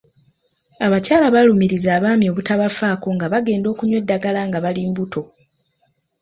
Abakyala baalumiriza abaami obutabafaako nga bagenda okunywa eddagala nga bali mbuto.